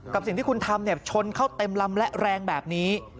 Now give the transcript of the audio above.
กับสิ่งที่คุณทำชนเข้าเต็มลำและแรงแบบนี้